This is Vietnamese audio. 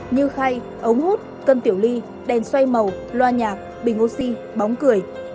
như khay ống hút cân tiểu ly đèn xoay màu loa nhạc bình oxy bóng cười